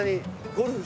ゴルフ？